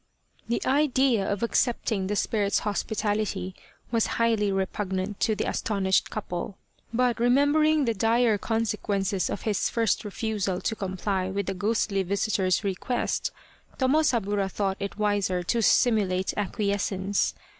The idea of accepting the spirit's hospitality was highly repugnant to the astonished couple, but re membering the dire consequences of his first refusal to comply with the ghostly visitor's request, Tomo saburo thought it wiser to simulate acquiescence.